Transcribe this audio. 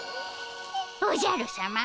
おじゃるさま。